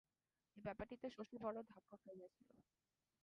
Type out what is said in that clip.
এই ব্যাপারটিতে শশী বড় ধাক্কা খাইয়াছিল!